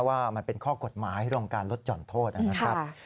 ว่ามันเป็นข้อกฎหมายโรงการลดจ่อนโทษนะครับ